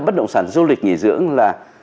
bất động sản du lịch nghỉ dưỡng là